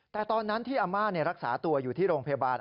แต่ตอนนั้นที่อาม่ารักษาตัวอยู่ที่โรงพยาบาล